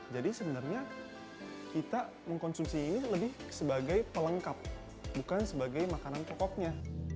jadi sebenarnya kita mengkonsumsi ini lebih sebagai pelengkap bukan sebagai makanan pokoknya